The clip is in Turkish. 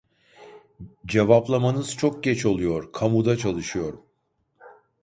Cevaplamanız çok geç oluyor kamuda çalışıyorum